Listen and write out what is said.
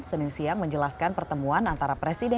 senin siang menjelaskan pertemuan antara presiden